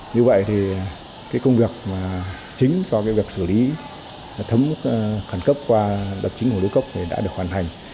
như vậy thì công việc chính cho việc xử lý thấm khẩn cấp qua đập chính hồ lưu cốc đã được hoàn thành